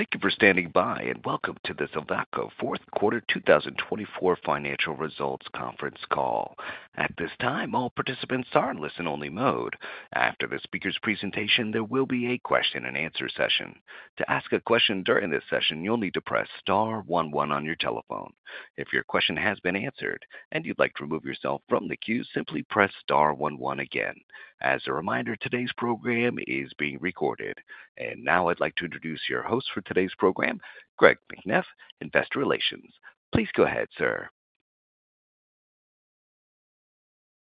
Thank you for standing by, and welcome to the Silvaco Fourth Quarter 2024 Financial Results Conference call. At this time, all participants are in listen-only mode. After the speaker's presentation, there will be a question-and-answer session. To ask a question during this session, you'll need to press star 11 on your telephone. If your question has been answered and you'd like to remove yourself from the queue, simply press star 11 again. As a reminder, today's program is being recorded. Now I'd like to introduce your host for today's program, Greg McNiff, Investor Relations. Please go ahead, sir.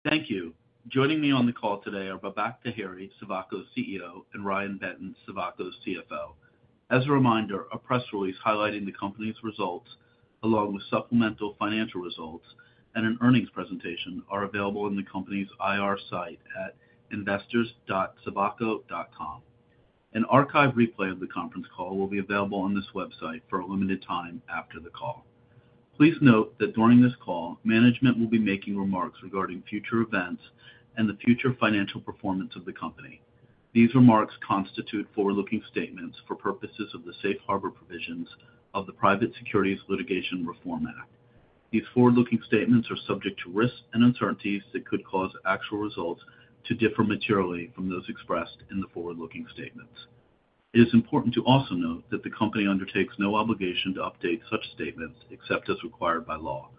Thank you. Joining me on the call today are Babak Taheri, Silvaco CEO, and Ryan Benton, Silvaco CFO. As a reminder, a press release highlighting the company's results, along with supplemental financial results and an earnings presentation, are available on the company's IR site at investors.silvaco.com. An archived replay of the conference call will be available on this website for a limited time after the call. Please note that during this call, management will be making reremarks regarding future events and the future financial performance of the company. These reremarks constitute forward-looking statements for purposes of the safe harbor provisions of the Private Securities Litigation Reform Act. These forward-looking statements are subject to risks and uncertainties that could cause actual results to differ materially from those expressed in the forward-looking statements. It is important to also note that the company undertakes no obligation to update such statements except as required by law.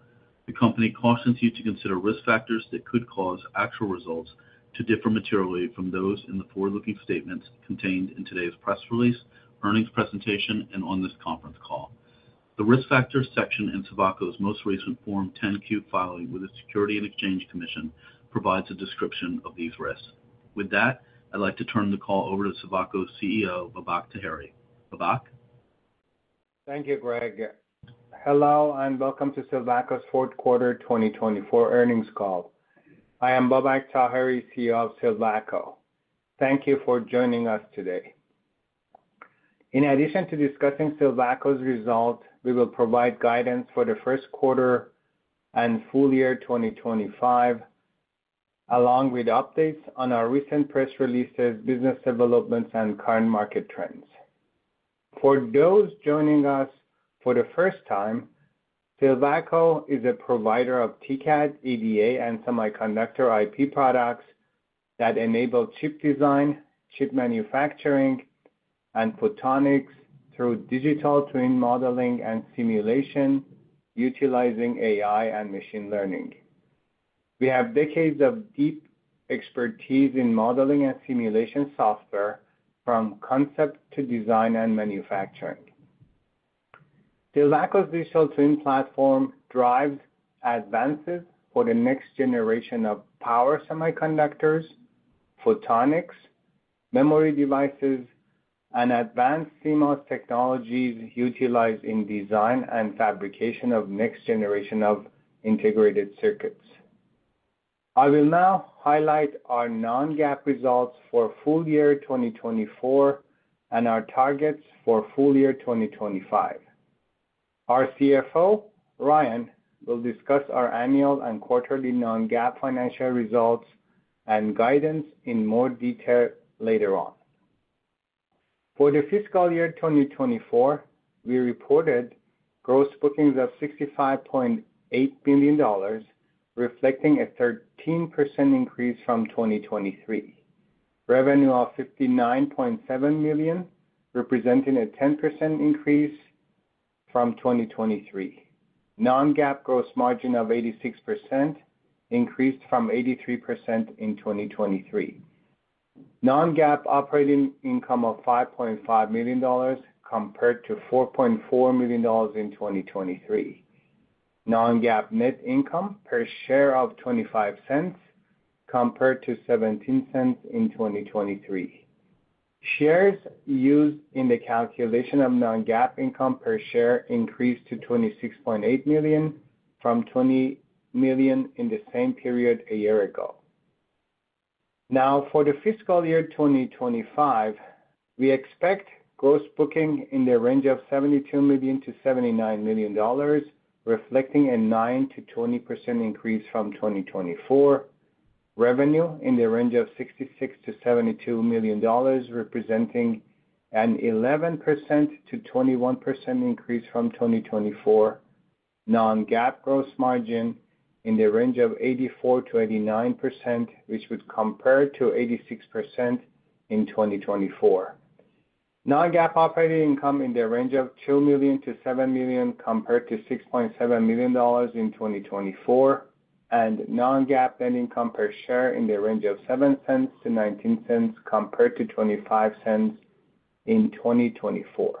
The company cautions you to consider risk factors that could cause actual results to differ materially from those in the forward-looking statements contained in today's press release, earnings presentation, and on this conference call. The risk factors section in Silvaco's most recent Form 10-Q filing with the Securities and Exchange Commission provides a description of these risks. With that, I'd like to turn the call over to Silvaco CEO, Babak Taheri. Babak? Thank you, Greg. Hello, and welcome to Silvaco's Fourth Quarter 2024 earnings call. I am Babak Taheri, CEO of Silvaco. Thank you for joining us today. In addition to discussing Silvaco's results, we will provide guidance for the first quarter and full year 2025, along with updates on our recent press releases, business developments, and current market trends. For those joining us for the first time, Silvaco is a provider of TCAD, EDA, and semiconductor IP products that enable chip design, chip manufacturing, and photonics through digital twin modeling and simulation, utilizing AI and machine learning. We have decades of deep expertise in modeling and simulation software, from concept to design and manufacturing. Silvaco's digital twin platform drives advances for the next generation of power semiconductors, photonics, memory devices, and advanced CMOS technologies utilized in design and fabrication of next generation of integrated circuits. I will now highlight our non-GAAP results for full year 2024 and our targets for full year 2025. Our CFO, Ryan, will discuss our annual and quarterly non-GAAP financial results and guidance in more detail later on. For the fiscal year 2024, we reported gross bookings of $65.8 million, reflecting a 13% increase from 2023. Revenue of $59.7 million, representing a 10% increase from 2023. Non-GAAP gross margin of 86%, increased from 83% in 2023. Non-GAAP operating income of $5.5 million compared to $4.4 million in 2023. Non-GAAP net income per share of $0.25 compared to $0.17 in 2023. Shares used in the calculation of non-GAAP income per share increased to 26.8 million from 20 million in the same period a year ago. Now, for the fiscal year 2025, we expect gross bookings in the range of $72 million-$79 million, reflecting a 9%-20% increase from 2024. Revenue in the range of $66-$72 million, representing an 11%-21% increase from 2024. Non-GAAP gross margin in the range of 84%-89%, which would compare to 86% in 2024. Non-GAAP operating income in the range of $2 million-$7 million compared to $6.7 million in 2024. Non-GAAP net income per share in the range of $0.07-$0.19 compared to $0.25 in 2024.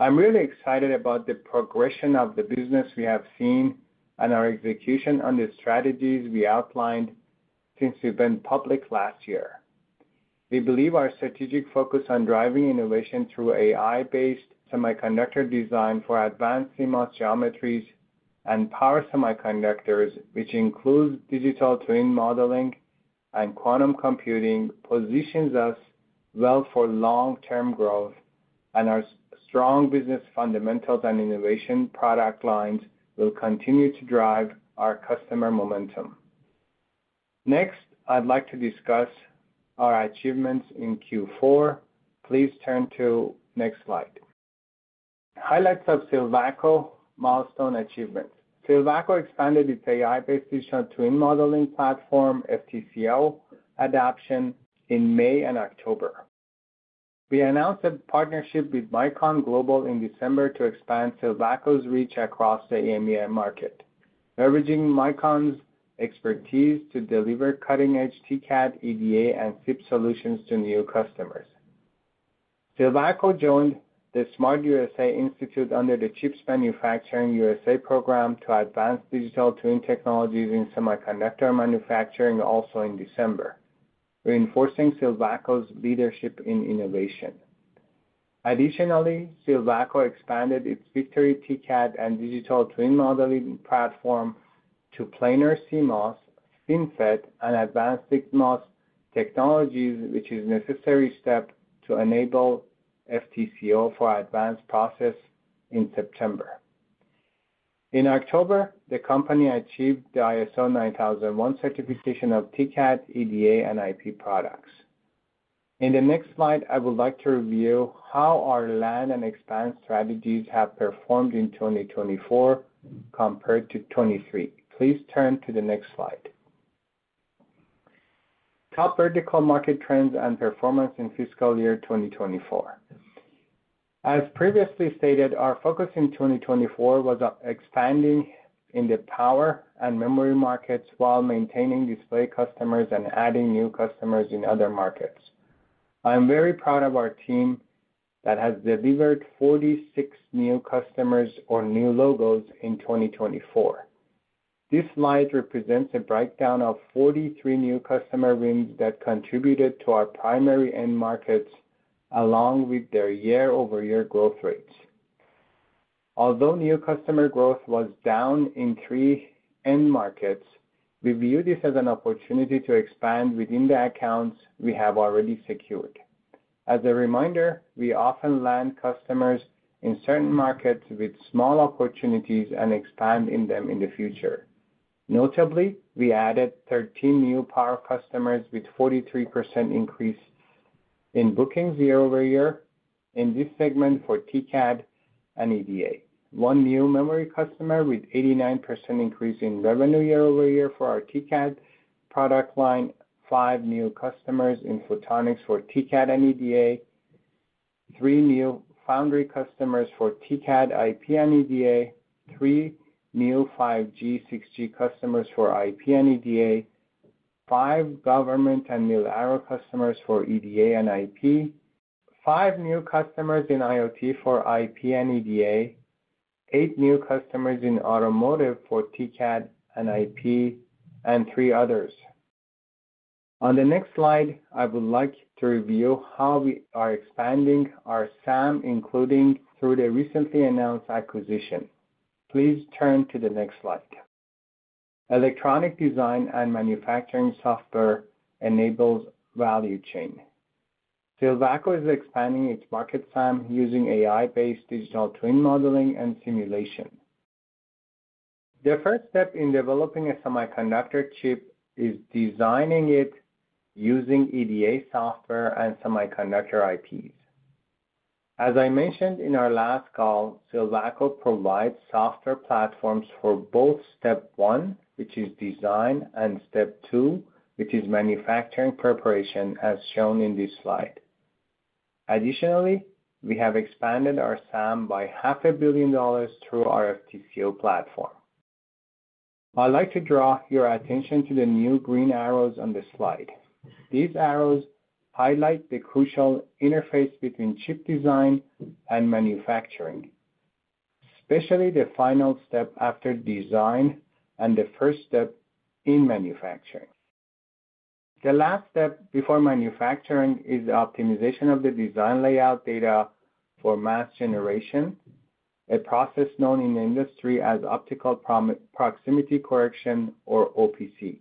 I'm really excited about the progression of the business we have seen and our execution on the strategies we outlined since we've been public last year. We believe our strategic focus on driving innovation through AI-based semiconductor design for advanced CMOS geometries and power semiconductors, which includes digital twin modeling and quantum computing, positions us well for long-term growth, and our strong business fundamentals and innovation product lines will continue to drive our customer momentum. Next, I'd like to discuss our achievements in Q4. Please turn to the next slide. Highlights of Silvaco milestone achievements. Silvaco expanded its AI-based digital twin modeling platform, DTCO, adoption in May and October. We announced a Mykon Global in december to expand Silvaco's reach across the EMEA market, leveraging Mykon's expertise to deliver cutting-edge TCAD, EDA, and SIP solutions to new customers. Silvaco joined the SMART USA Institute under the CHIPS Manufacturing USA program to advance digital twin technologies in semiconductor manufacturing also in December, reinforcing Silvaco's leadership in innovation. Additionally, Silvaco expanded its Victory TCAD and digital twin modeling platform to planar CMOS, FinFET, and advanced CMOS technologies, which is a necessary step to enable DTCO for advanced process in September. In October, the company achieved the ISO 9001 certification of TCAD, EDA, and IP products. In the next slide, I would like to review how our land and expand strategies have performed in 2024 compared to 2023. Please turn to the next slide. Top vertical market trends and performance in fiscal year 2024. As previously stated, our focus in 2024 was expanding in the power and memory markets while maintaining display customers and adding new customers in other markets. I'm very proud of our team that has delivered 46 new customers or new logos in 2024. This slide represents a breakdown of 43 new customer wins that contributed to our primary end markets along with their year-over-year growth rates. Although new customer growth was down in three end markets, we view this as an opportunity to expand within the accounts we have already secured. As a reminder, we often land customers in certain markets with small opportunities and expand in them in the future. Notably, we added 13 new power customers with a 43% increase in bookings year-over-year in this segment for TCAD and EDA. One new memory customer with an 89% increase in revenue year-over-year for our TCAD product line, five new customers in photonics for TCAD and EDA, three new foundry customers for TCAD, IP and EDA, three new 5G, 6G customers for IP and EDA, five government and military customers for EDA and IP, five new customers in IoT for IP and EDA, eight new customers in automotive for TCAD and IP, and three others. On the next slide, I would like to review how we are expanding our SAM, including through the recently announced acquisition. Please turn to the next slide. Electronic design and manufacturing software enables value chain. Silvaco is expanding its market SAM using AI-based digital twin modeling and simulation. The first step in developing a semiconductor chip is designing it using EDA software and semiconductor IPs. As I mentioned in our last call, Silvaco provides software platforms for both step one, which is design, and step two, which is manufacturing preparation, as shown in this slide. Additionally, we have expanded our SAM by $500,000,000 through our DTCO platform. I'd like to draw your attention to the new green arrows on the slide. These arrows highlight the crucial interface between chip design and manufacturing, especially the final step after design and the first step in manufacturing. The last step before manufacturing is the optimization of the design layout data for mass generation, a process known in the industry as optical proximity correction, or OPC.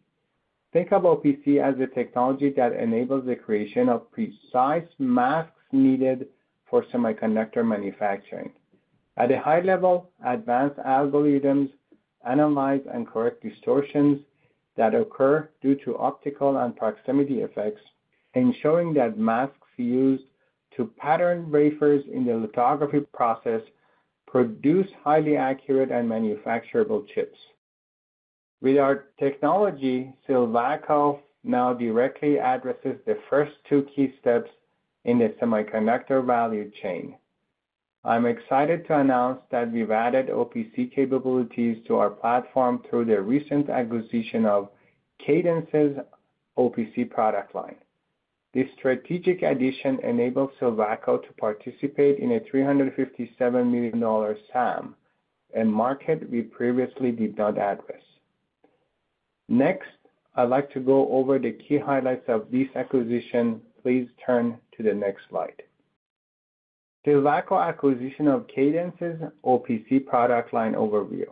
Think of OPC as a technology that enables the creation of precise masks needed for semiconductor manufacturing. At a high level, advanced algorithms analyze and correct distortions that occur due to optical and proximity effects, ensuring that masks used to pattern wafers in the lithography process produce highly accurate and manufacturable chips. With our technology, Silvaco now directly addresses the first two key steps in the semiconductor value chain. I'm excited to announce that we've added OPC capabilities to our platform through the recent acquisition of Cadence's OPC product line. This strategic addition enables Silvaco to participate in a $357 million SAM, a market we previously did not address. Next, I'd like to go over the key highlights of this acquisition. Please turn to the next slide. Silvaco acquisition of Cadence's OPC product line overview,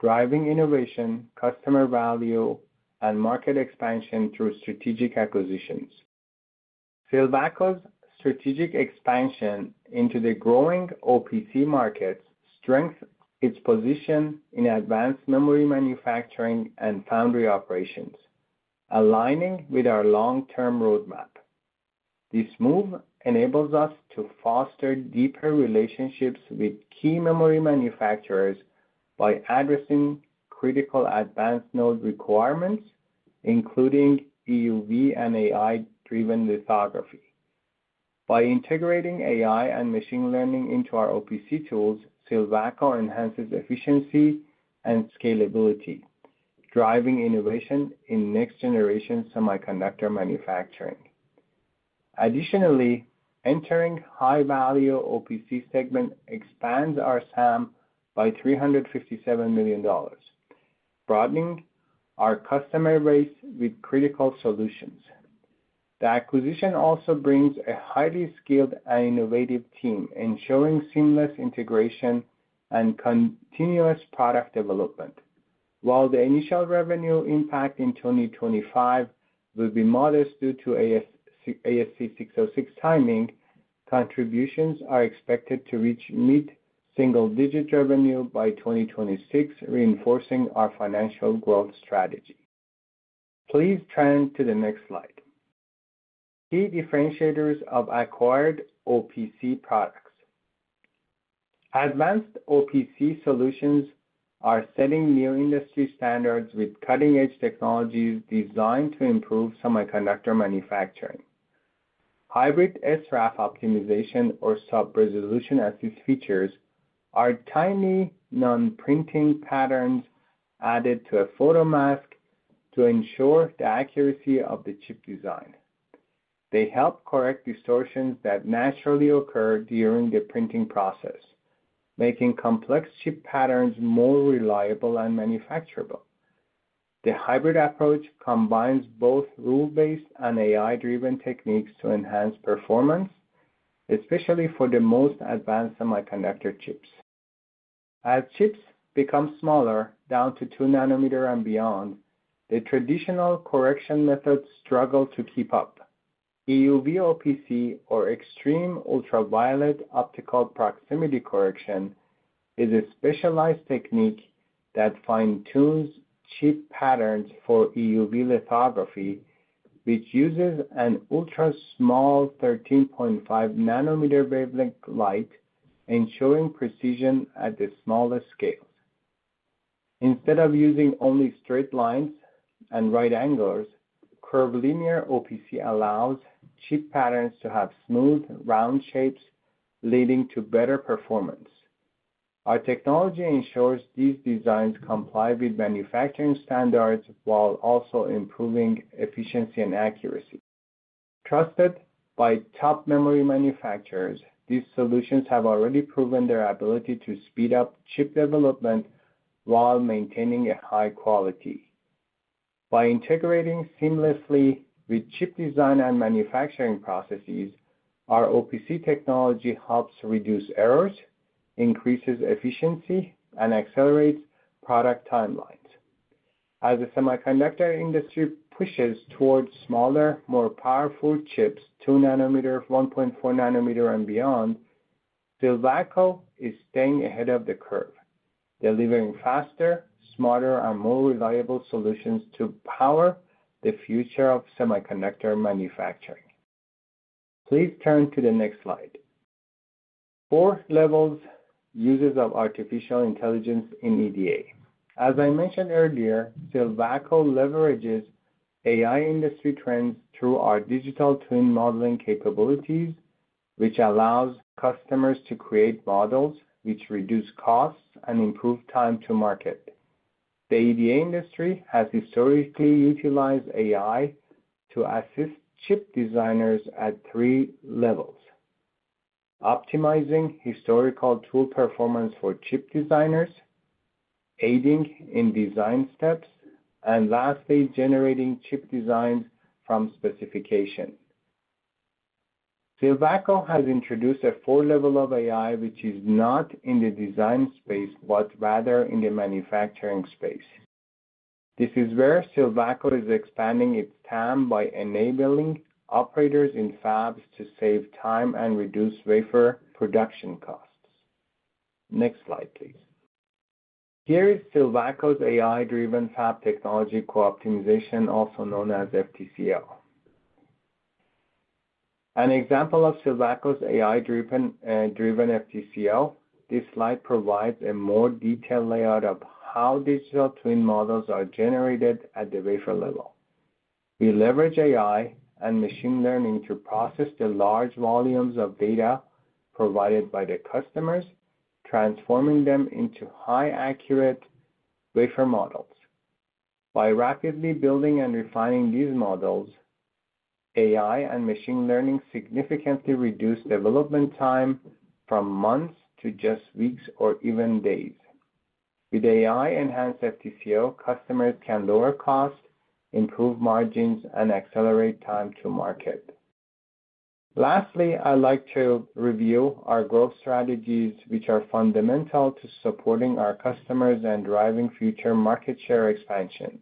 driving innovation, customer value, and market expansion through strategic acquisitions. Silvaco's strategic expansion into the growing OPC markets strengthens its position in advanced memory manufacturing and foundry operations, aligning with our long-term roadmap. This move enables us to foster deeper relationships with key memory manufacturers by addressing critical advanced node requirements, including EUV and AI-driven lithography. By integrating AI and machine learning into our OPC tools, Silvaco enhances efficiency and scalability, driving innovation in next-generation semiconductor manufacturing. Additionally, entering high-value OPC segment expands our SAM by $357 million, broadening our customer base with critical solutions. The acquisition also brings a highly skilled and innovative team, ensuring seamless integration and continuous product development. While the initial revenue impact in 2025 will be modest due to ASC 606 timing, contributions are expected to reach mid-single-digit revenue by 2026, reinforcing our financial growth strategy. Please turn to the next slide. Key differentiators of acquired OPC products. Advanced OPC solutions are setting new industry standards with cutting-edge technologies designed to improve semiconductor manufacturing. Hybrid SRAF optimization, or sub-resolution assist features, are tiny non-printing patterns added to a photo mask to ensure the accuracy of the chip design. They help correct distortions that naturally occur during the printing process, making complex chip patterns more reliable and manufacturable. The hybrid approach combines both rule-based and AI-driven techniques to enhance performance, especially for the most advanced semiconductor chips. As chips become smaller, down to 2 nanometers and beyond, the traditional correction methods struggle to keep up. EUV OPC, or extreme ultraviolet optical proximity correction, is a specialized technique that fine-tunes chip patterns for EUV lithography, which uses an ultra-small 13.5 nanometer wavelength light, ensuring precision at the smallest scales. Instead of using only straight lines and right angles, curvilinear OPC allows chip patterns to have smooth, round shapes, leading to better performance. Our technology ensures these designs comply with manufacturing standards while also improving efficiency and accuracy. Trusted by top memory manufacturers, these solutions have already proven their ability to speed up chip development while maintaining a high quality. By integrating seamlessly with chip design and manufacturing processes, our OPC technology helps reduce errors, increases efficiency, and accelerates product timelines. As the semiconductor industry pushes towards smaller, more powerful chips, 2 nanometers, 1.4 nanometers, and beyond, Silvaco is staying ahead of the curve, delivering faster, smarter, and more reliable solutions to power the future of semiconductor manufacturing. Please turn to the next slide. Four levels uses of artificial intelligence in EDA. As I mentioned earlier, Silvaco leverages AI industry trends through our digital twin modeling capabilities, which allows customers to create models which reduce costs and improve time to market. The EDA industry has historically utilized AI to assist chip designers at three levels: optimizing historical tool performance for chip designers, aiding in design steps, and lastly, generating chip designs from specification. Silvaco has introduced a four-level of AI, which is not in the design space but rather in the manufacturing space. This is where Silvaco is expanding its SAM by enabling operators in fabs to save time and reduce wafer production costs. Next slide, please. Here is Silvaco's AI-driven fab technology co-optimization, also known as DTCO. An example of Silvaco's AI-driven DTCO, this slide provides a more detailed layout of how digital twin models are generated at the wafer level. We leverage AI and machine learning to process the large volumes of data provided by the customers, transforming them into high-accurate wafer models. By rapidly building and refining these models, AI and machine learning significantly reduce development time from months to just weeks or even days. With AI-enhanced DTCO, customers can lower costs, improve margins, and accelerate time to market. Lastly, I'd like to review our growth strategies, which are fundamental to supporting our customers and driving future market share expansion.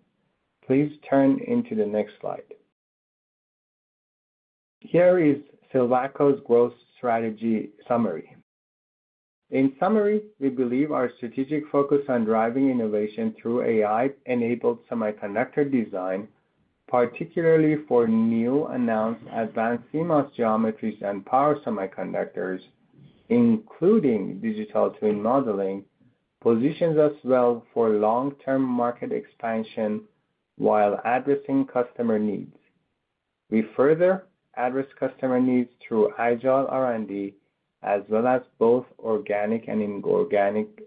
Please turn into the next slide. Here is Silvaco's growth strategy summary. In summary, we believe our strategic focus on driving innovation through AI-enabled semiconductor design, particularly for newly announced advanced CMOS geometries and power semiconductors, including digital twin modeling, positions us well for long-term market expansion while addressing customer needs. We further address customer needs through agile R&D, as well as both organic and inorganic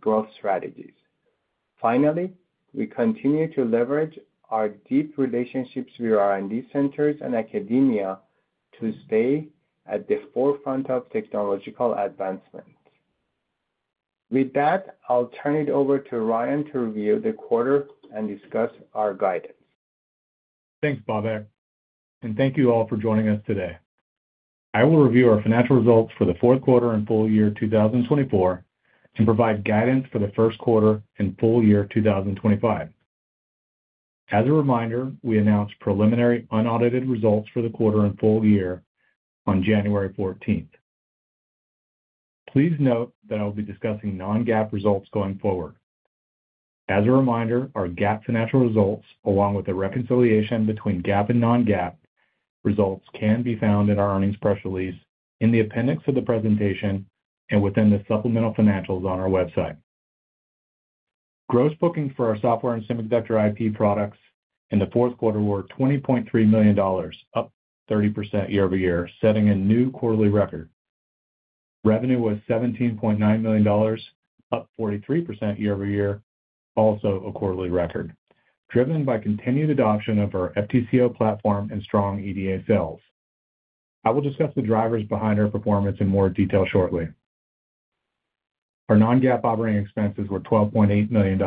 growth strategies. Finally, we continue to leverage our deep relationships with R&D centers and academia to stay at the forefront of technological advancement. With that, I'll turn it over to Ryan to review the quarter and discuss our guidance. Thanks, Babak. Thank you all for joining us today. I will review our financial results for the fourth quarter and full year 2024 and provide guidance for the first quarter and full year 2025. As a reminder, we announced preliminary unaudited results for the quarter and full year on January 14th. Please note that I will be discussing non-GAAP results going forward. As a reminder, our GAAP financial results, along with the reconciliation between GAAP and non-GAAP results, can be found in our earnings press release, in the appendix of the presentation, and within the supplemental financials on our website. Gross bookings for our software and semiconductor IP products in the fourth quarter were $20.3 million, up 30% year-over-year, setting a new quarterly record. Revenue was $17.9 million, up 43% year-over-year, also a quarterly record, driven by continued adoption of our DTCO platform and strong EDA sales. I will discuss the drivers behind our performance in more detail shortly. Our non-GAAP operating expenses were $12.8 million,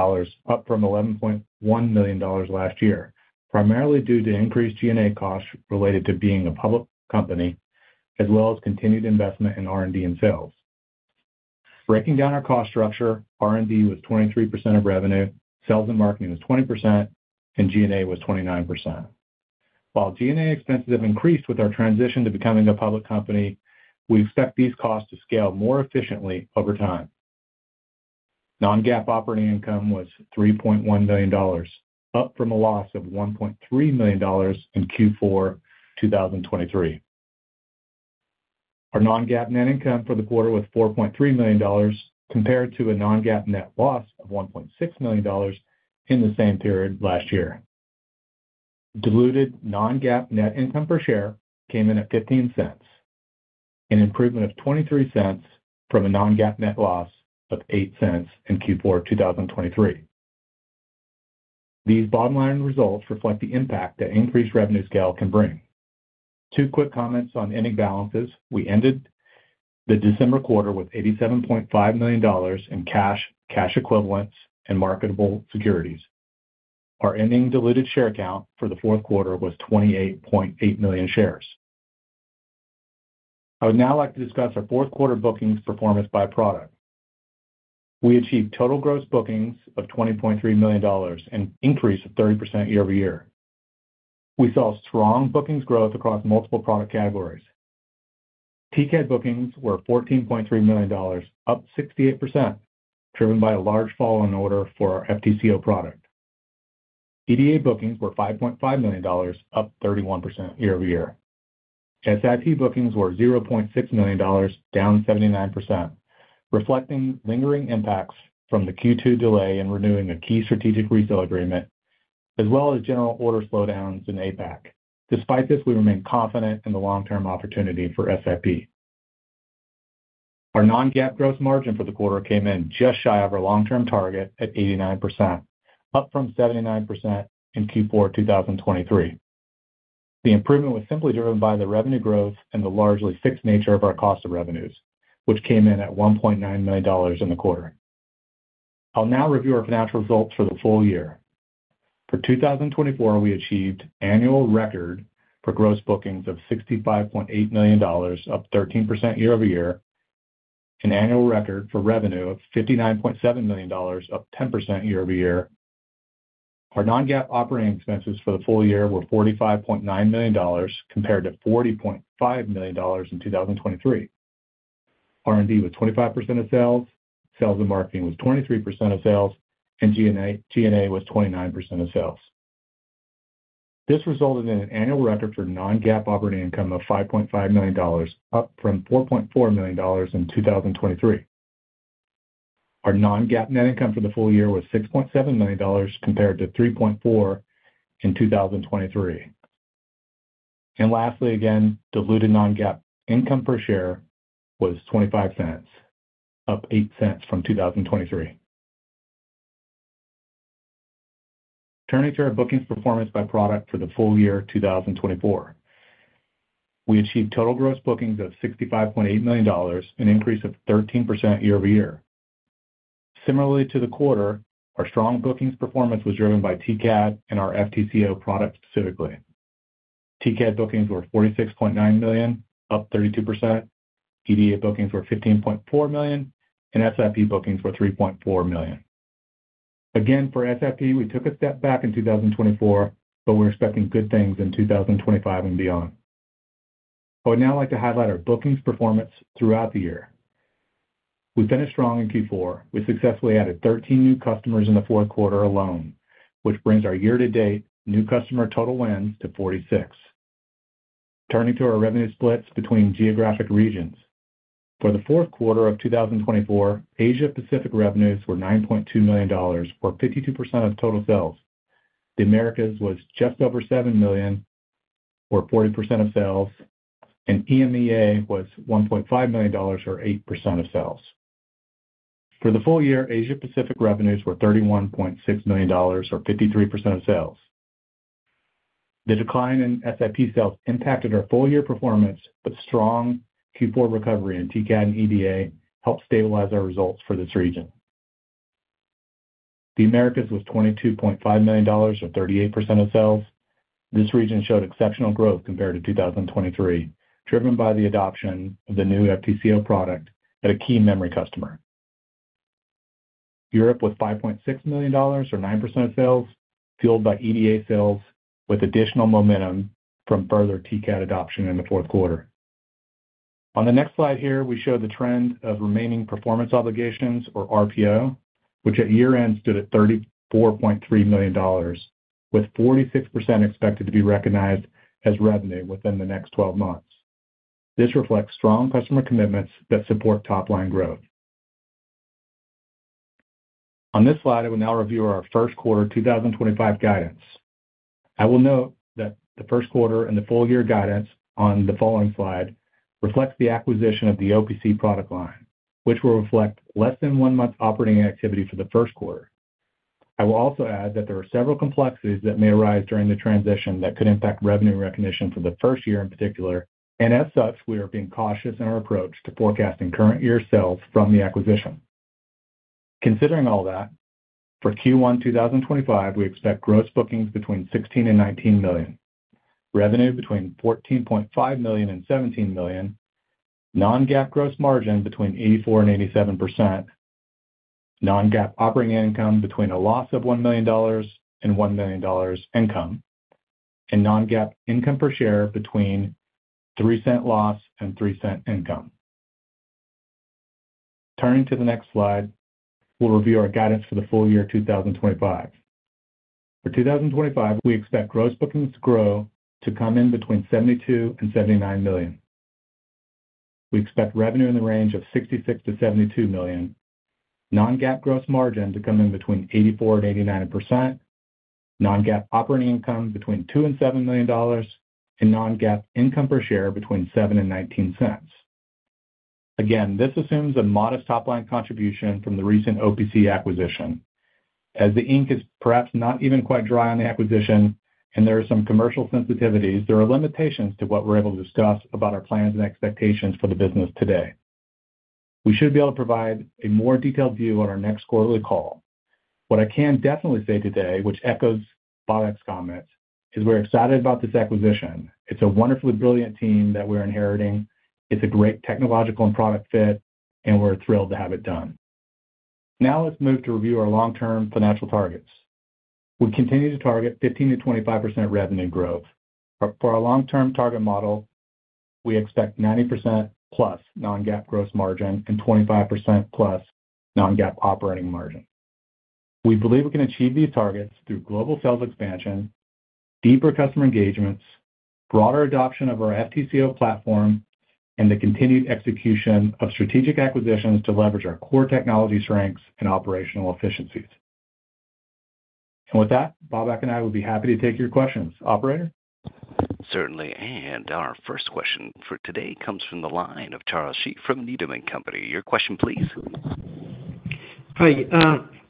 up from $11.1 million last year, primarily due to increased G&A costs related to being a public company, as well as continued investment in R&D and sales. Breaking down our cost structure, R&D was 23% of revenue, sales and marketing was 20%, and G&A was 29%. While G&A expenses have increased with our transition to becoming a public company, we expect these costs to scale more efficiently over time. Non-GAAP operating income was $3.1 million, up from a loss of $1.3 million in Q4 2023. Our non-GAAP net income for the quarter was $4.3 million, compared to a non-GAAP net loss of $1.6 million in the same period last year. Diluted non-GAAP net income per share came in at $0.15, an improvement of $0.23 from a non-GAAP net loss of $0.08 in Q4 2023. These bottom-line results reflect the impact that increased revenue scale can bring. Two quick comments on ending balances. We ended the December quarter with $87.5 million in cash, cash equivalents, and marketable securities. Our ending diluted share count for the fourth quarter was 28.8 million shares. I would now like to discuss our fourth quarter bookings performance by product. We achieved total gross bookings of $20.3 million and an increase of 30% year-over-year. We saw strong bookings growth across multiple product categories. TCAD bookings were $14.3 million, up 68%, driven by a large follow-on order for our DTCO product. EDA bookings were $5.5 million, up 31% year-over-year. SIP bookings were $0.6 million, down 79%, reflecting lingering impacts from the Q2 delay in renewing a key strategic resale agreement, as well as general order slowdowns in APAC. Despite this, we remain confident in the long-term opportunity for SIP. Our non-GAAP gross margin for the quarter came in just shy of our long-term target at 89%, up from 79% in Q4 2023. The improvement was simply driven by the revenue growth and the largely fixed nature of our cost of revenues, which came in at $1.9 million in the quarter. I'll now review our financial results for the full year. For 2024, we achieved annual record for gross bookings of $65.8 million, up 13% year-over-year, an annual record for revenue of $59.7 million, up 10% year-over-year. Our non-GAAP operating expenses for the full year were $45.9 million, compared to $40.5 million in 2023. R&D was 25% of sales, sales and marketing was 23% of sales, and G&A was 29% of sales. This resulted in an annual record for non-GAAP operating income of $5.5 million, up from $4.4 million in 2023. Our non-GAAP net income for the full year was $6.7 million, compared to $3.4 million in 2023. Lastly, again, diluted non-GAAP income per share was $0.25, up 8% from 2023. Turning to our bookings performance by product for the full year 2024, we achieved total gross bookings of $65.8 million, an increase of 13% year-over-year. Similarly to the quarter, our strong bookings performance was driven by TCAD and our DTCO product specifically. TCAD bookings were $46.9 million, up 32%. EDA bookings were $15.4 million, and SIP bookings were $3.4 million. Again, for SIP, we took a step back in 2024, but we're expecting good things in 2025 and beyond. I would now like to highlight our bookings performance throughout the year. We finished strong in Q4. We successfully added 13 new customers in the fourth quarter alone, which brings our year-to-date new customer total wins to 46. Turning to our revenue splits between geographic regions, for the fourth quarter of 2024, Asia-Pacific revenues were $9.2 million, or 52% of total sales. The Americas was just over $7 million, or 40% of sales, and EMEA was $1.5 million, or 8% of sales. For the full year, Asia-Pacific revenues were $31.6 million, or 53% of sales. The decline in SIP sales impacted our full-year performance, but strong Q4 recovery in TCAD and EDA helped stabilize our results for this region. The Americas was $22.5 million, or 38% of sales. This region showed exceptional growth compared to 2023, driven by the adoption of the new DTCO product at a key memory customer. Europe was $5.6 million, or 9% of sales, fueled by EDA sales, with additional momentum from further TCAD adoption in the fourth quarter. On the next slide here, we show the trend of remaining performance obligations, or RPO, which at year-end stood at $34.3 million, with 46% expected to be recognized as revenue within the next 12 months. This reflects strong customer commitments that support top-line growth. On this slide, I will now review our first quarter 2025 guidance. I will note that the first quarter and the full-year guidance on the following slide reflects the acquisition of the OPC product line, which will reflect less than one month's operating activity for the first quarter. I will also add that there are several complexities that may arise during the transition that could impact revenue recognition for the first year in particular, and as such, we are being cautious in our approach to forecasting current-year sales from the acquisition. Considering all that, for Q1 2025, we expect gross bookings between $16 million and $19 million, revenue between $14.5 million and $17 million, non-GAAP gross margin between 84% and 87%, non-GAAP operating income between a loss of $1 million and $1 million income, and non-GAAP income per share between $0.03 loss and $0.03 income. Turning to the next slide, we'll review our guidance for the full year 2025. For 2025, we expect gross bookings to grow to come in between $72 million and $79 million. We expect revenue in the range of $66 million to $72 million, non-GAAP gross margin to come in between 84% and 89%, non-GAAP operating income between $2 million and $7 million, and non-GAAP income per share between $0.07 and $0.19. Again, this assumes a modest top-line contribution from the recent OPC acquisition. As the ink is perhaps not even quite dry on the acquisition, and there are some commercial sensitivities, there are limitations to what we're able to discuss about our plans and expectations for the business today. We should be able to provide a more detailed view on our next quarterly call. What I can definitely say today, which echoes Babak's comments, is we're excited about this acquisition. It's a wonderfully brilliant team that we're inheriting. It's a great technological and product fit, and we're thrilled to have it done. Now let's move to review our long-term financial targets. We continue to target 15%-25% revenue growth. For our long-term target model, we expect 90% plus non-GAAP gross margin and 25% plus non-GAAP operating margin. We believe we can achieve these targets through global sales expansion, deeper customer engagements, broader adoption of our DTCO platform, and the continued execution of strategic acquisitions to leverage our core technology strengths and operational efficiencies. With that, Babak and I would be happy to take your questions. Operator? Certainly. Our first question for today comes from the line of Charles Shi from Needham & Company. Your question, please. Hi.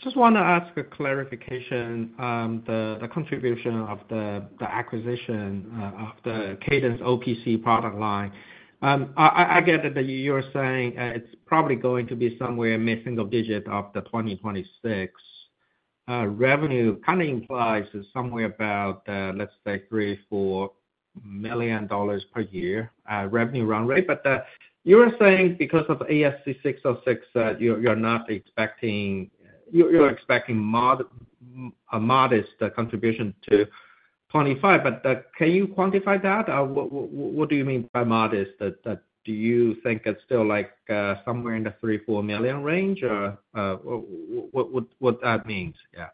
Just want to ask a clarification on the contribution of the acquisition of the Cadence OPC product line. I get that you're saying it's probably going to be somewhere in mid-single-digit of the 2026 revenue. Kind of implies somewhere about, let's say, $3-$4 million per year revenue run rate. But you were saying because of ASC 606, you're not expecting a modest contribution to 2025. Can you quantify that? What do you mean by modest? Do you think it's still somewhere in the $3-$4 million range? What that means? Yeah.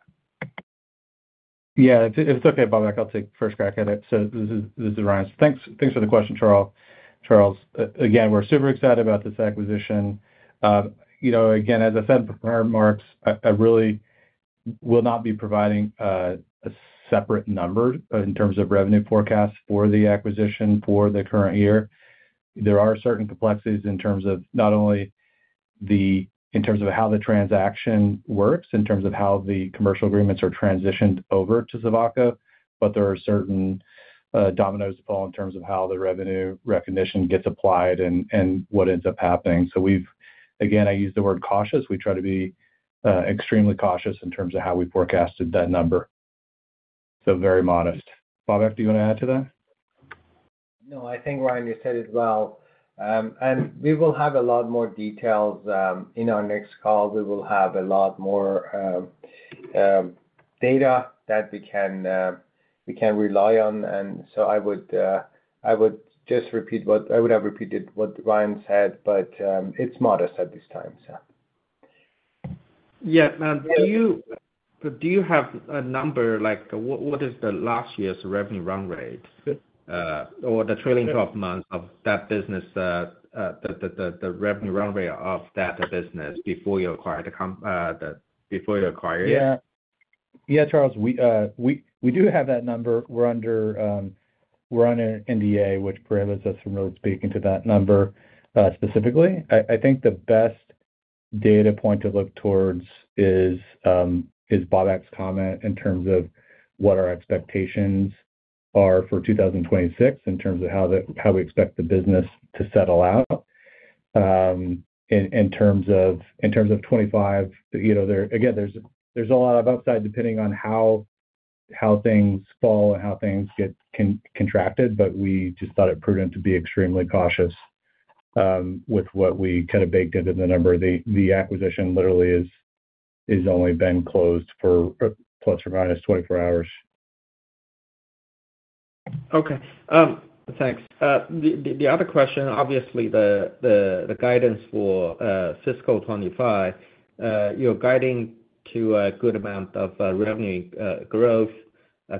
Yeah. If it's okay, Babak, I'll take first crack at it. This is Ryan. Thanks for the question, Charles. Again, we're super excited about this acquisition. Again, as I said before, remarks, I really will not be providing a separate number in terms of revenue forecast for the acquisition for the current year. There are certain complexities in terms of not only the in terms of how the transaction works, in terms of how the commercial agreements are transitioned over to Silvaco, but there are certain dominoes to fall in terms of how the revenue recognition gets applied and what ends up happening. I use the word cautious. We try to be extremely cautious in terms of how we forecasted that number. Very modest. Babak, do you want to add to that? No, I think Ryan you said it well. We will have a lot more details in our next call. We will have a lot more data that we can rely on. I would just repeat what I would have repeated what Ryan said, but it's modest at this time, so. Yeah. Do you have a number? What is the last year's revenue run rate or the trailing 12 months of that business, the revenue run rate of that business before you acquired it? Yeah, Charles. We do have that number. We're on an NDA, which prevents us from really speaking to that number specifically. I think the best data point to look towards is Babak's comment in terms of what our expectations are for 2026, in terms of how we expect the business to settle out. In terms of 2025, again, there's a lot of upside depending on how things fall and how things get contracted, but we just thought it prudent to be extremely cautious with what we kind of baked into the number. The acquisition literally has only been closed for plus or minus 24 hours. Okay. Thanks. The other question, obviously, the guidance for fiscal 2025, you're guiding to a good amount of revenue growth,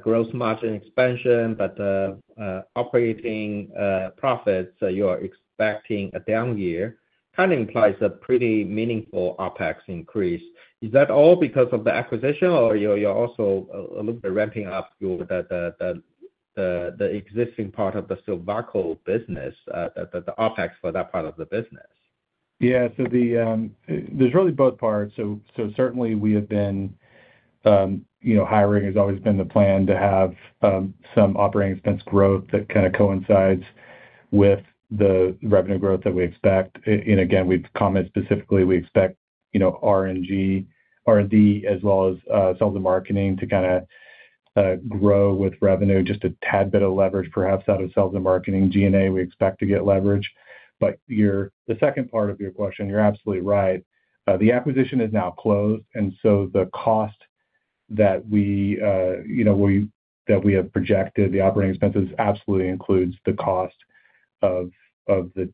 gross margin expansion, but operating profits, you're expecting a down year. Kind of implies a pretty meaningful OpEx increase. Is that all because of the acquisition, or you're also a little bit ramping up the existing part of the Silvaco business, the OpEx for that part of the business? Yeah. There's really both parts. Certainly, we have been hiring, has always been the plan to have some operating expense growth that kind of coincides with the revenue growth that we expect. Again, we've commented specifically we expect R&D as well as sales and marketing to kind of grow with revenue, just a tad bit of leverage perhaps out of sales and marketing. G&A, we expect to get leverage. The second part of your question, you're absolutely right. The acquisition is now closed, and so the cost that we have projected, the operating expenses, absolutely includes the cost of the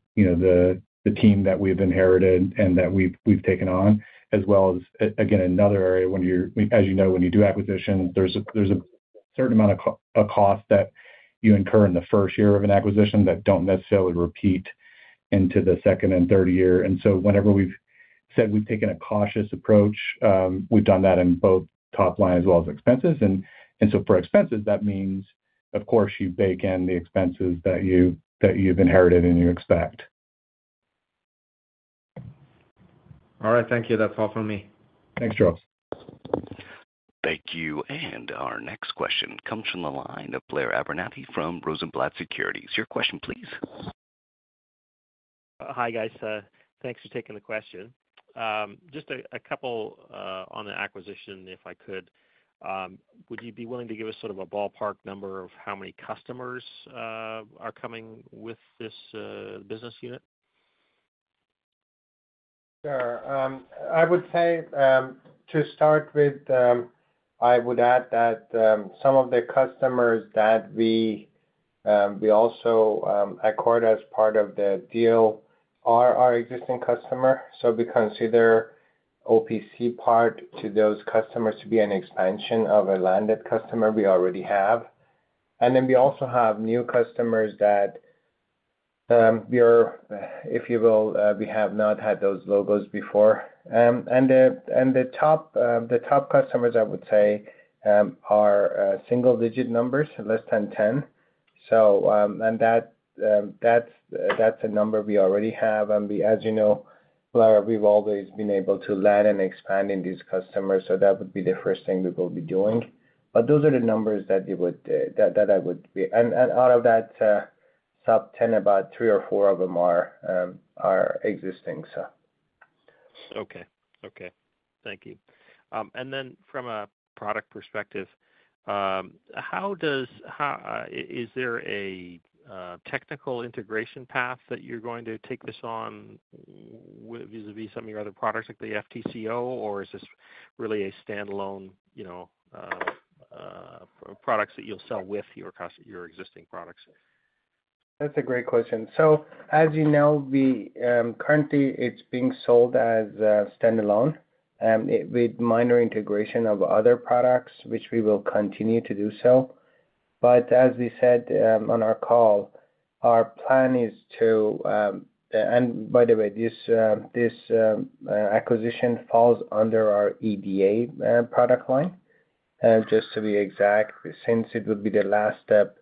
team that we've inherited and that we've taken on, as well as, again, another area. As you know, when you do acquisitions, there's a certain amount of cost that you incur in the first year of an acquisition that don't necessarily repeat into the second and third year. Whenever we've said we've taken a cautious approach, we've done that in both top line as well as expenses. For expenses, that means, of course, you bake in the expenses that you've inherited and you expect. All right. Thank you. That's all from me. Thanks, Charles. Thank you. Our next question comes from the line of Blair Abernathy from Rosenblatt Securities. Your question, please. Hi, guys. Thanks for taking the question. Just a couple on the acquisition, if I could. Would you be willing to give us sort of a ballpark number of how many customers are coming with this business unit? Sure. I would say to start with, I would add that some of the customers that we also acquired as part of the deal are our existing customers. We consider OPC part to those customers to be an expansion of a landed customer we already have. We also have new customers that, if you will, we have not had those logos before. The top customers, I would say, are single-digit numbers, less than 10. That is a number we already have. As you know, Blair, we have always been able to land and expand in these customers. That would be the first thing we will be doing. But those are the numbers that I would be. And out of that sub-10, about three or four of them are existing, so. Okay. Okay. Thank you. Then from a product perspective, is there a technical integration path that you're going to take this on vis-à-vis some of your other products like the DTCO, or is this really a standalone product that you'll sell with your existing products? That's a great question. As you know, currently, it's being sold as standalone with minor integration of other products, which we will continue to do so. As we said on our call, our plan is to—and by the way, this acquisition falls under our EDA product line, just to be exact, since it would be the last step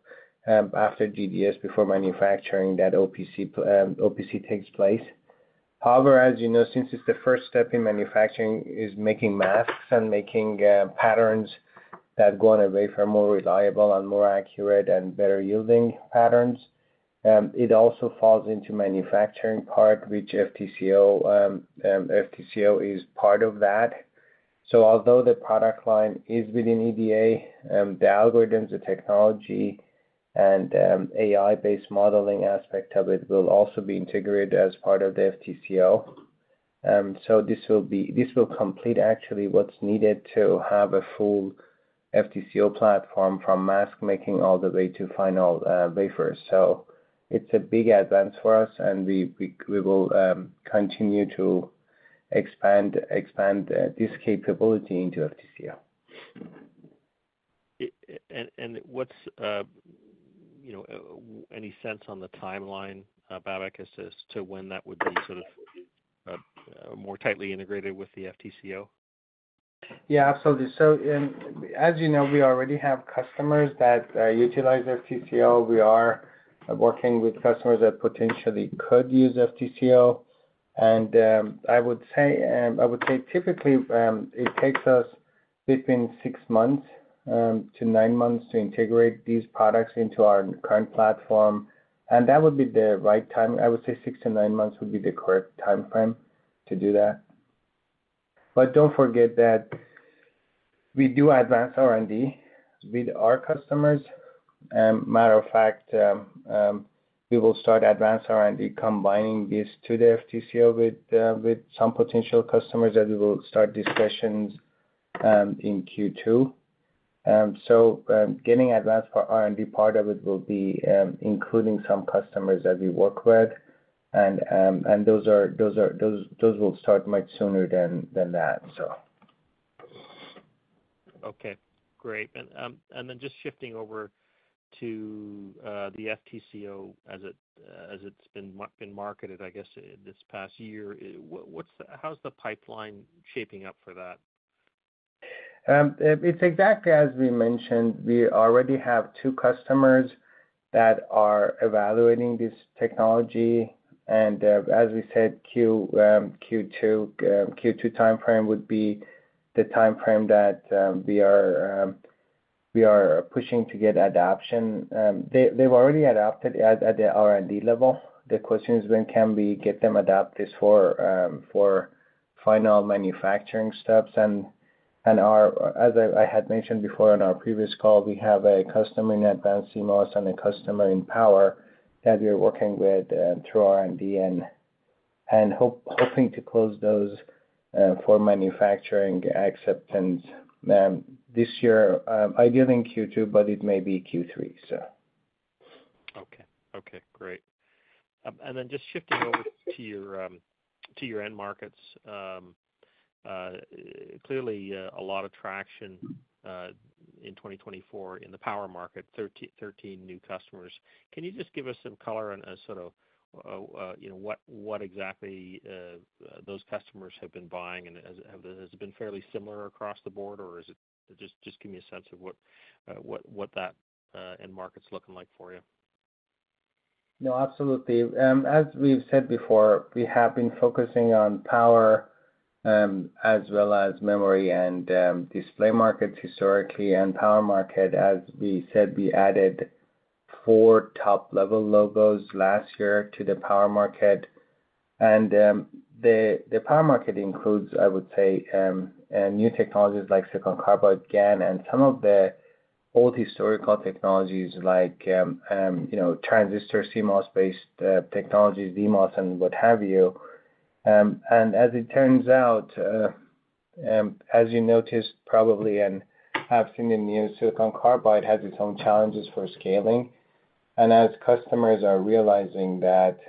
after GDS before manufacturing that OPC takes place. However, as you know, since it's the first step in manufacturing, it is making masks and making patterns that go on a wafer for more reliable and more accurate and better yielding patterns. It also falls into the manufacturing part, which DTCO is part of that. Although the product line is within EDA, the algorithms, the technology, and AI-based modeling aspect of it will also be integrated as part of the DTCO. This will complete actually what's needed to have a full DTCO platform from mask making all the way to final wafers. It is a big advance for us, and we will continue to expand this capability into DTCO. What's any sense on the timeline, Babak, as to when that would be sort of more tightly integrated with the DTCO? Yeah, absolutely. As you know, we already have customers that utilize DTCO. We are working with customers that potentially could use DTCO. I would say typically, it takes us between six months to nine months to integrate these products into our current platform. That would be the right time. I would say six to nine months would be the correct timeframe to do that. Do not forget that we do advance R&D with our customers. Matter of fact, we will start advance R&D combining this to the DTCO with some potential customers that we will start discussions in Q2. Getting advanced R&D part of it will be including some customers that we work with. Those will start much sooner than that. Okay. Great. Just shifting over to the DTCO as it's been marketed, I guess, this past year, how's the pipeline shaping up for that? It's exactly as we mentioned. We already have two customers that are evaluating this technology. As we said, Q2 timeframe would be the timeframe that we are pushing to get adoption. They've already adopted at the R&D level. The question is, when can we get them adopt this for final manufacturing steps? As I had mentioned before on our previous call, we have a customer in advanced CMOS and a customer in power that we are working with through R&D and hoping to close those for manufacturing acceptance this year, ideally in Q2, but it may be Q3. Okay. Okay. Great. Just shifting over to your end markets, clearly a lot of traction in 2024 in the power market, 13 new customers. Can you just give us some color on sort of what exactly those customers have been buying? Has it been fairly similar across the board, or just give me a sense of what that end market's looking like for you? No, absolutely. As we've said before, we have been focusing on power as well as memory and display markets historically and power market. As we said, we added four top-level logos last year to the power market. The power market includes, I would say, new technologies like silicon carbide, GaN, and some of the old historical technologies like transistor CMOS-based technologies, DMOS, and what have you. As it turns out, as you noticed probably and have seen in new silicon carbide, it has its own challenges for scaling. As customers are realizing that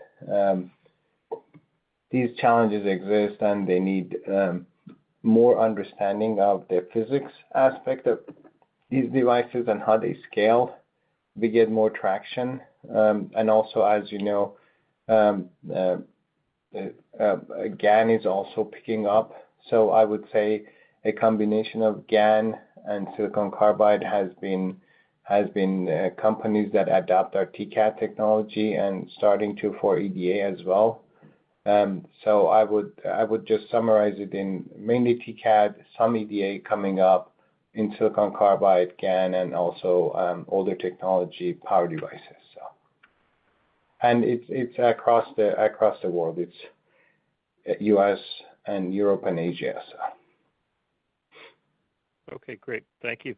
these challenges exist and they need more understanding of the physics aspect of these devices and how they scale, we get more traction. Also, as you know, GaN is also picking up. I would say a combination of GaN and silicon carbide has been companies that adopt our TCAD technology and starting to for EDA as well. I would just summarize it in mainly TCAD, some EDA coming up in silicon carbide, GaN, and also older technology power devices. It is across the world. It is US and Europe and Asia. Okay. Great. Thank you.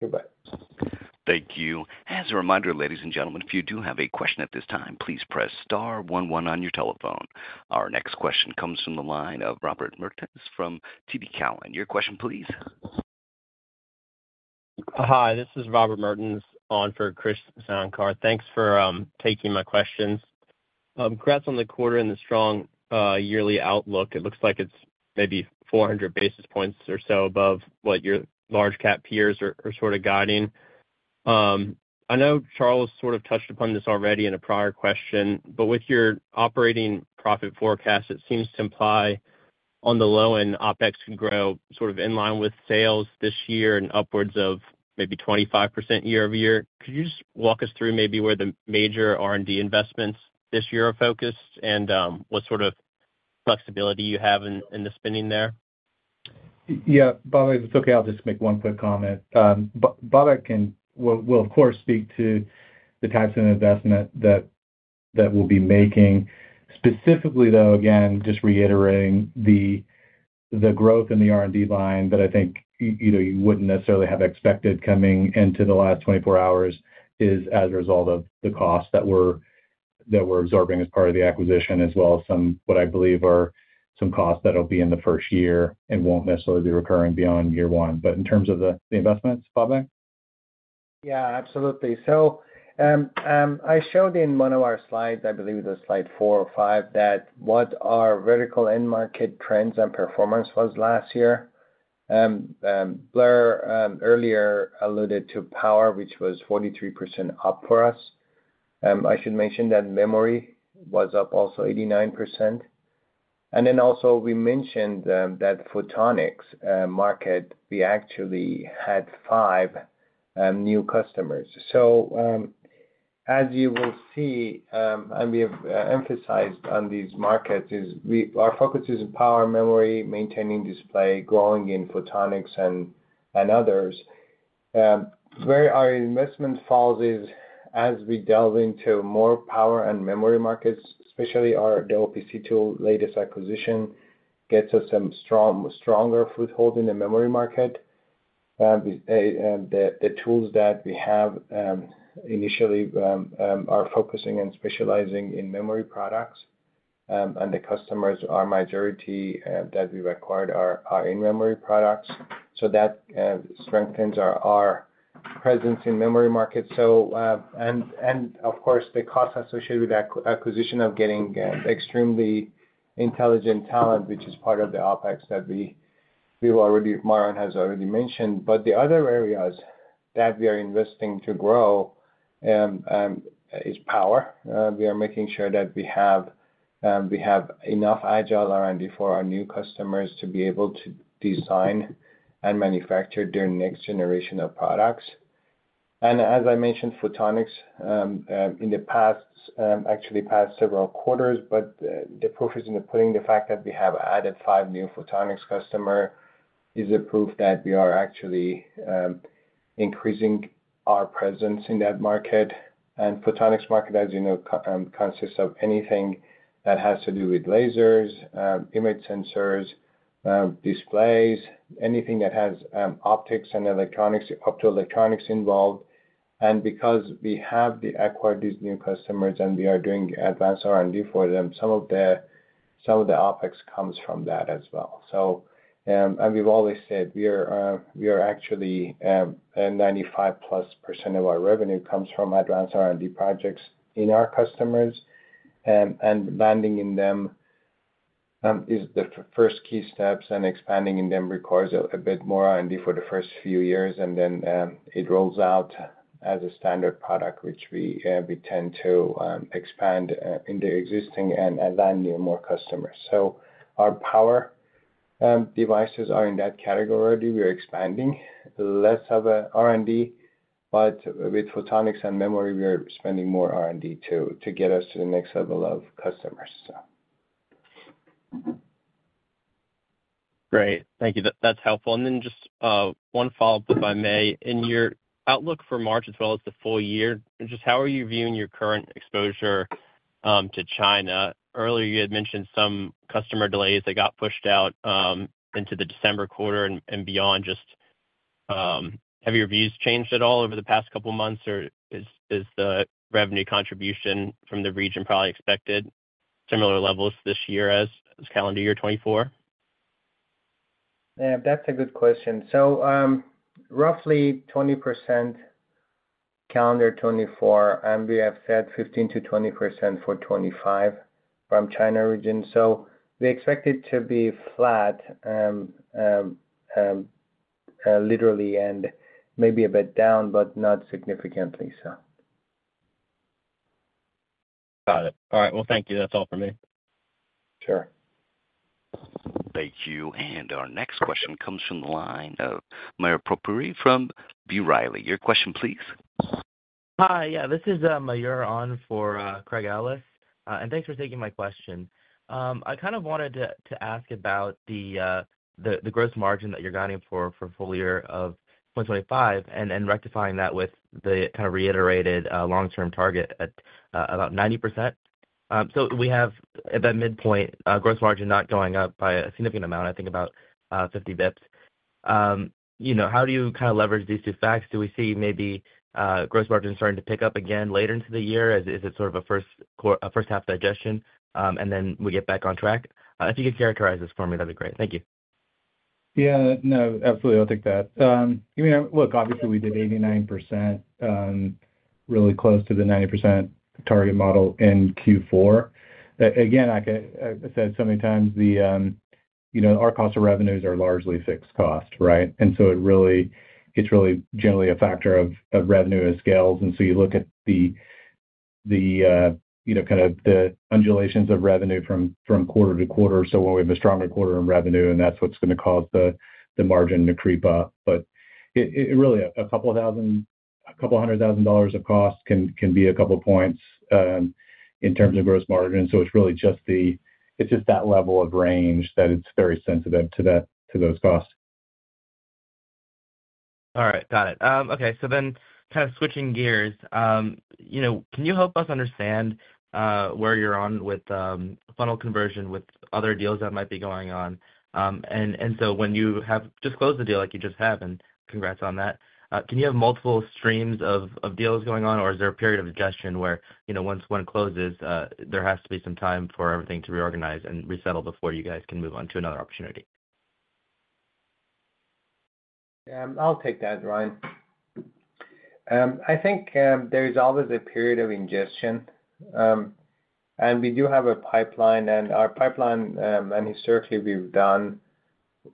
Goodbye. Thank you. As a reminder, ladies and gentlemen, if you do have a question at this time, please press star 11 on your telephone. Our next question comes from the line of Robert Mertens from TD Cowen. Your question, please. Hi. This is Robert Mertens on for Krish Sankar. Thanks for taking my questions. Congrats on the quarter and the strong yearly outlook. It looks like it's maybe 400 basis points or so above what your large-cap peers are sort of guiding. I know Charles sort of touched upon this already in a prior question, but with your operating profit forecast, it seems to imply on the low end, OpEx can grow sort of in line with sales this year and upwards of maybe 25% year over year. Could you just walk us through maybe where the major R&D investments this year are focused and what sort of flexibility you have in the spending there? Yeah. By the way, if it's okay, I'll just make one quick comment. Babak will, of course, speak to the types of investment that we'll be making. Specifically, though, again, just reiterating, the growth in the R&D line that I think you wouldn't necessarily have expected coming into the last 24 hours is as a result of the costs that we're absorbing as part of the acquisition, as well as what I believe are some costs that will be in the first year and won't necessarily be recurring beyond year one. In terms of the investments, Babak? Yeah, absolutely. I showed in one of our slides, I believe it was slide four or five, that what our vertical end market trends and performance was last year. Blair earlier alluded to power, which was 43% up for us. I should mention that memory was up also 89%. Also, we mentioned that photonics market, we actually had five new customers. As you will see, and we have emphasized on these markets, our focus is in power, memory, maintaining display, growing in photonics, and others. Where our investment falls is as we delve into more power and memory markets, especially the OPC tool latest acquisition gets us a stronger foothold in the memory market. The tools that we have initially are focusing and specializing in memory products, and the customers, our majority that we've acquired, are in memory products. That strengthens our presence in memory markets. Of course, the cost associated with that acquisition of getting extremely intelligent talent, which is part of the OpEx that we've already has already mentioned. The other areas that we are investing to grow is power. We are making sure that we have enough agile R&D for our new customers to be able to design and manufacture their next generation of products. As I mentioned, photonics in the past, actually past several quarters, but the proof is in the pudding. The fact that we have added five new photonics customers is a proof that we are actually increasing our presence in that market. Photonics market, as you know, consists of anything that has to do with lasers, image sensors, displays, anything that has optics and electronics, optoelectronics involved. Because we have acquired these new customers and we are doing advanced R&D for them, some of the OpEx comes from that as well. We've always said we are actually 95+% of our revenue comes from advanced R&D projects in our customers. Landing in them is the first key steps, and expanding in them requires a bit more R&D for the first few years, and then it rolls out as a standard product, which we tend to expand into existing and land new more customers. Our power devices are in that category already. We are expanding less of R&D, but with photonics and memory, we are spending more R&D to get us to the next level of customers. Great. Thank you. That's helpful. Just one follow-up, if I may. In your outlook for March as well as the full year, just how are you viewing your current exposure to China? Earlier, you had mentioned some customer delays that got pushed out into the December quarter and beyond. Just have your views changed at all over the past couple of months, or is the revenue contribution from the region probably expected similar levels this year as calendar year 2024? That's a good question. So roughly 20% calendar 2024, and we have said 15%-20% for 2025 from China region. We expect it to be flat literally and maybe a bit down, but not significantly, so. Got it. All right. Thank you. That's all for me. Sure. Thank you. Our next question comes from the line of Michael Ahn from B. Riley. Your question, please. Hi. Yeah, this is Michael Ahn for Craig Ellis. Thanks for taking my question. I kind of wanted to ask about the gross margin that you're guiding for full year of 2025 and rectifying that with the kind of reiterated long-term target at about 90%. We have at that midpoint, gross margin not going up by a significant amount, I think about 50 basis points. How do you kind of leverage these two facts? Do we see maybe gross margin starting to pick up again later into the year? Is it sort of a first-half digestion, and then we get back on track? If you could characterize this for me, that'd be great. Thank you. Yeah. No, absolutely. I'll take that. Look, obviously, we did 89%, really close to the 90% target model in Q4. Again, like I said so many times, our cost of revenues are largely fixed cost, right? And so it's really generally a factor of revenue as scales. And so you look at the kind of the undulations of revenue from quarter to quarter. When we have a stronger quarter in revenue, that's what's going to cause the margin to creep up. Really, a couple of hundred thousand dollars of cost can be a couple of points in terms of gross margin. It's just that level of range that it's very sensitive to those costs. All right. Got it. Okay. Kind of switching gears, can you help us understand where you're on with funnel conversion with other deals that might be going on? When you have just closed the deal like you just have, and congrats on that, can you have multiple streams of deals going on, or is there a period of ingestion where once one closes, there has to be some time for everything to reorganize and resettle before you guys can move on to another opportunity? I'll take that, Ryan. I think there is always a period of ingestion. We do have a pipeline, and our pipeline, and historically, we've done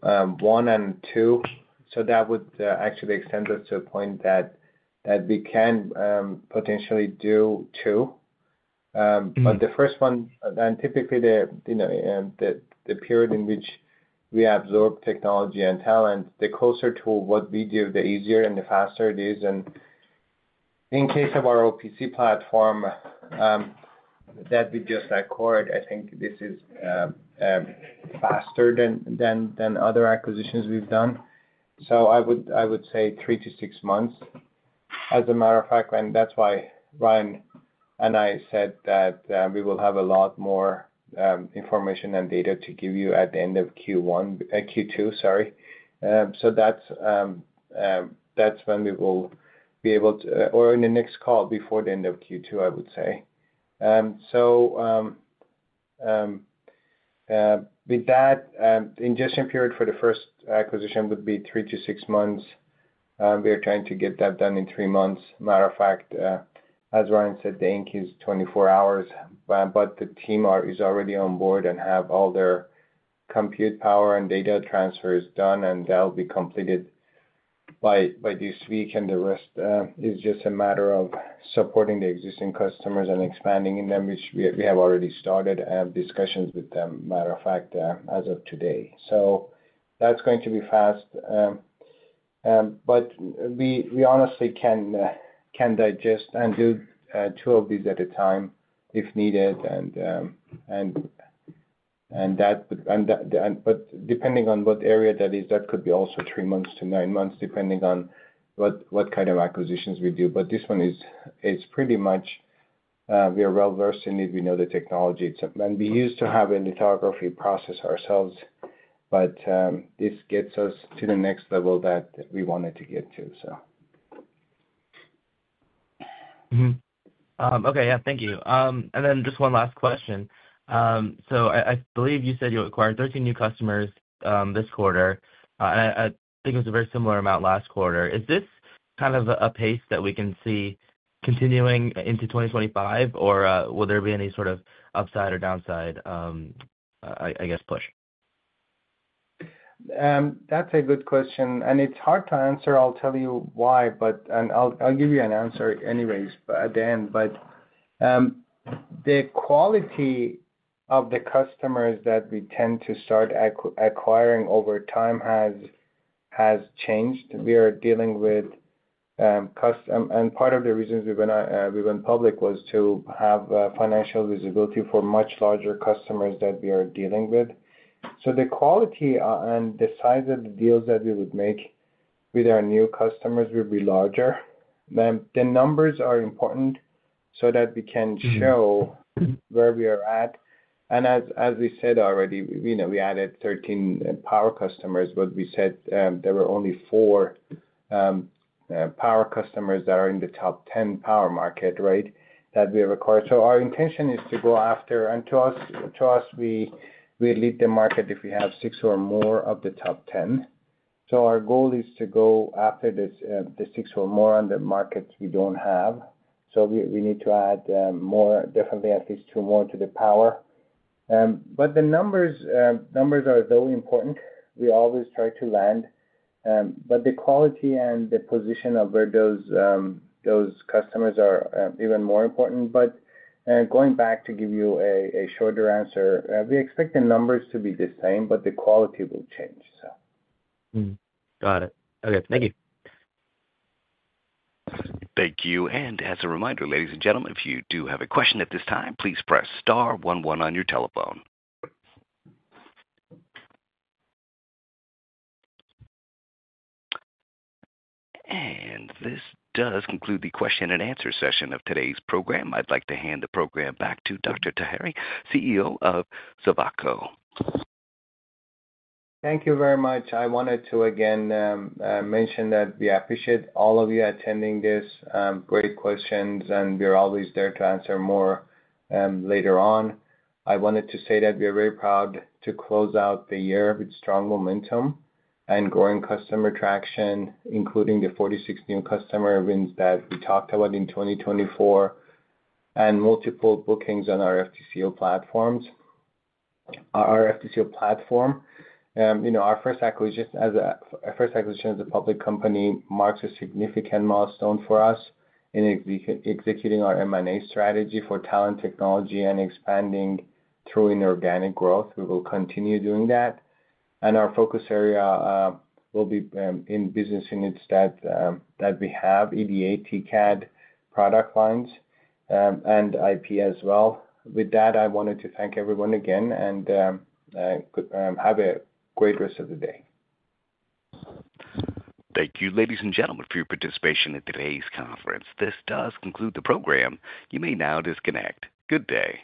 one and two. That would actually extend us to a point that we can potentially do two. The first one, and typically, the period in which we absorb technology and talent, the closer to what we do, the easier and the faster it is. In case of our OPC platform, that would be just that quarter. I think this is faster than other acquisitions we've done. I would say three to six months, as a matter of fact. That is why Ryan and I said that we will have a lot more information and data to give you at the end of Q2, sorry. That is when we will be able to, or in the next call before the end of Q2, I would say. With that, ingestion period for the first acquisition would be three to six months. We are trying to get that done in three months. Matter of fact, as Ryan said, the ink is 24 hours, but the team is already on board and have all their compute power and data transfers done, and that will be completed by this week. The rest is just a matter of supporting the existing customers and expanding in them, which we have already started discussions with them, matter of fact, as of today. That is going to be fast. We honestly can digest and do two of these at a time if needed. That would, depending on what area that is, that could be also three months to nine months, depending on what kind of acquisitions we do. This one is pretty much we are well-versed in it. We know the technology. We used to have a lithography process ourselves, but this gets us to the next level that we wanted to get to. Okay. Yeah. Thank you. Just one last question. I believe you said you acquired 13 new customers this quarter. I think it was a very similar amount last quarter. Is this kind of a pace that we can see continuing into 2025, or will there be any sort of upside or downside, I guess, push? That is a good question. It is hard to answer. I will tell you why, and I will give you an answer anyways at the end. The quality of the customers that we tend to start acquiring over time has changed. We are dealing with custom, and part of the reasons we went public was to have financial visibility for much larger customers that we are dealing with. The quality and the size of the deals that we would make with our new customers will be larger. The numbers are important so that we can show where we are at. As we said already, we added 13 power customers, but we said there were only four power customers that are in the top 10 power market, right, that we have acquired. Our intention is to go after, and to us, we lead the market if we have six or more of the top 10. Our goal is to go after the six or more on the markets we do not have. We need to add more, definitely at least two more to the power. The numbers are very important. We always try to land, but the quality and the position of those customers are even more important. Going back to give you a shorter answer, we expect the numbers to be the same, but the quality will change. Got it. Okay. Thank you. Thank you. As a reminder, ladies and gentlemen, if you do have a question at this time, please press star 11 on your telephone. This does conclude the question and answer session of today's program. I'd like to hand the program back to Dr. Taheri, CEO of Silvaco. Thank you very much. I wanted to again mention that we appreciate all of you attending these great questions, and we are always there to answer more later on. I wanted to say that we are very proud to close out the year with strong momentum and growing customer traction, including the 46 new customer events that we talked about in 2024, and multiple bookings on our DTCO platforms. Our DTCO platform, our first acquisition as a public company, remarks a significant milestone for us in executing our M&A strategy for talent, technology, and expanding through inorganic growth. We will continue doing that. Our focus area will be in business units that we have, EDA, TCAD product lines, and IP as well. With that, I wanted to thank everyone again and have a great rest of the day. Thank you, ladies and gentlemen, for your participation in today's conference. This does conclude the program. You may now disconnect. Good day.